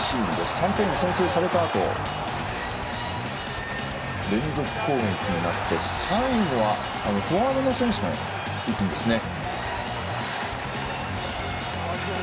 ３点を先制されたあと連続攻撃になって最後はフォワードの選手がいくんですね。